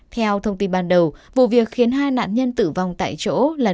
theo thông tin ban đầu vụ việc khiến hai nạn nhân tử vong tại chỗ là